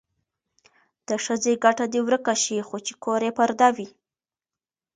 د ښځې ګټه دې ورکه شي خو چې کور یې پرده وي.